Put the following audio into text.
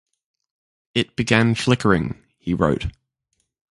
"It began flickering," he wrote.